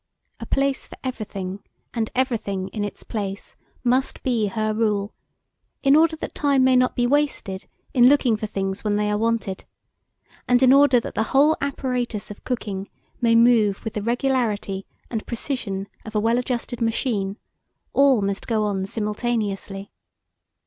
"A place for everything, and everything in its place," must be her rule, in order that time may not be wasted in looking for things when they are wanted, and in order that the whole apparatus of cooking may move with the regularity and precision of a well adjusted machine; all must go on simultaneously.